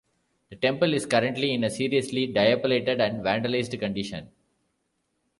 The temple is currently in a seriously dilapidated and vandalised condition.